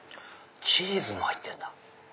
チーズも入ってんだ！